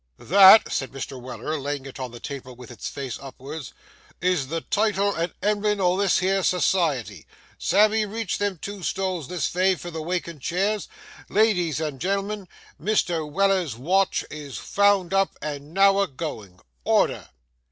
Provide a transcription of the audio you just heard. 'That,' said Mr. Weller, laying it on the table with its face upwards, 'is the title and emblem o' this here society. Sammy, reach them two stools this vay for the wacant cheers. Ladies and gen'lmen, Mr. Weller's Watch is vound up and now a goin'. Order!